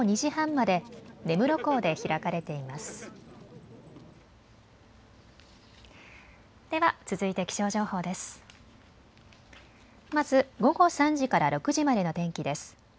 まず午後３時から６時までの天気です。